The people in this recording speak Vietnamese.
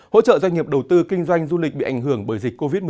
hỗ trợ doanh nghiệp đầu tư kinh doanh du lịch bị ảnh hưởng bởi dịch covid một mươi chín